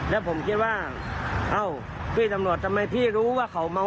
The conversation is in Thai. แล้วผมคิดว่าเอ้าพี่ตำรวจทำไมพี่รู้ว่าเขาเมา